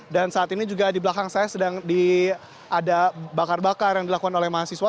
dan saat ini juga di belakang saya sedang ada bakar bakar yang dilakukan oleh mahasiswa